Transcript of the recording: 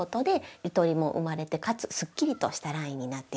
ゆとりも生まれてかつすっきりとしたラインになっています。